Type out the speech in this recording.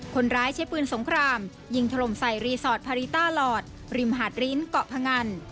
คนร้ายใช้ปืนสงครามยิงถล่มใส่รีสอร์ทพารีต้าหลอดริมหาดริ้นเกาะพงัน